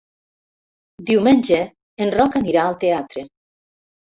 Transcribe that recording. Diumenge en Roc anirà al teatre.